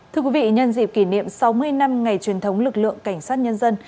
thưa quý vị nhân dịp kỷ niệm sáu mươi năm ngày truyền thống lực lượng cảnh sát nhân dân